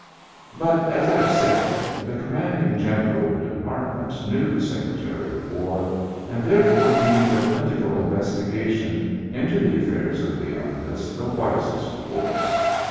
But, as I have said, the Commanding General of the Department knew the Secretary of War and therefore deemed a plentiful investigation into the affairs of Leonidas the wisest course.